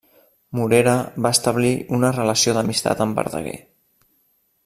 Morera va establir una relació d'amistat amb Verdaguer.